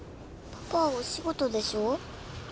パパはお仕事でしょ？